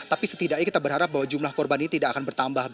tapi setidaknya kita berharap bahwa jumlah korban ini tidak akan bertambah